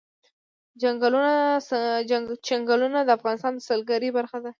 چنګلونه د افغانستان د سیلګرۍ برخه ده.